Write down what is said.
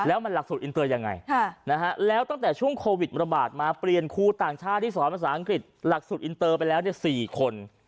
แล้วมันหลักสูตรอินเตอร์ยังไงแล้วตั้งแต่ช่วงโควิดระบาดมาเปลี่ยนครูต่างชาติที่สอนภาษาอังกฤษหลักสูตรอินเตอร์ไปแล้ว๔คน